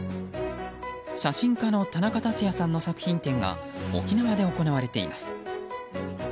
写真家の田中達也さんの作品展が沖縄で行われています。